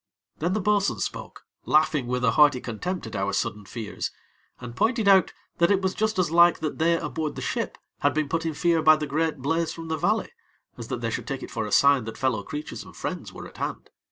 Then the bo'sun spoke, laughing with a hearty contempt at our sudden fears, and pointed out that it was just as like that they aboard the ship had been put in fear by the great blaze from the valley, as that they should take it for a sign that fellow creatures and friends were at hand.